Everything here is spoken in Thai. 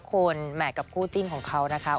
คนแห่กับคู่จิ้นของเขานะครับ